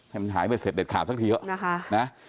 ให้มันหายไปเสร็จเด็ดขาดสักทีเยอะนะคะ